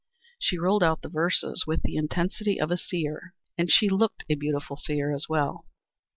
She rolled out the verses with the intensity of a seer, and she looked a beautiful seer as well.